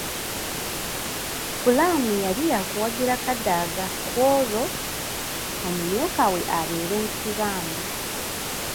Ppulaani yali yakuwagira Kadaga ku olwo omumyuka we abeere Nsibambi .